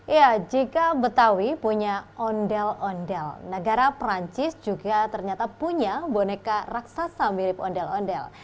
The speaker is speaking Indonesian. ya jika betawi punya ondel ondel negara perancis juga ternyata punya boneka raksasa mirip ondel ondel